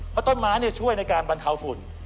เพราะต้นไม้ช่วยในการบรรเทาฝุ่น